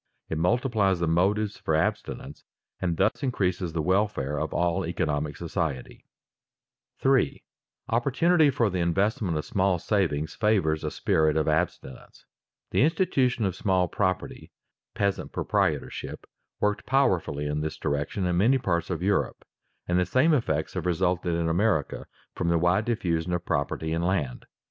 It multiplies the motives for abstinence and thus increases the welfare of all economic society. [Sidenote: Safe and paying investments encourage saving] 3. Opportunity for the investment of small savings favors a spirit of abstinence. The institution of small property, peasant proprietorship, worked powerfully in this direction in many parts of Europe, and the same effects have resulted in America from the wide diffusion of property in land.